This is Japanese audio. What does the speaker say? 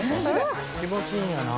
気持ちいいんやな。